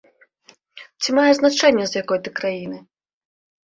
Ці мае значэнне, з якой ты краіны?